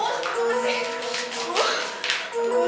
oh keras sih